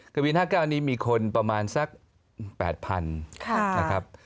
กระบิ๒๐๐๙นี้มีคนประมาณสัก๘๐๐๐ครับ